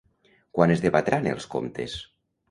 Quan es debatran els comptes?